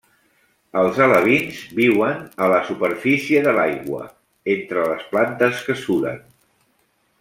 Els alevins viuen a la superfície de l'aigua, entre les plantes que suren.